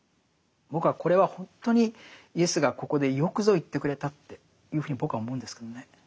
僕はこれは本当にイエスがここでよくぞ言ってくれたっていうふうに僕は思うんですけどね。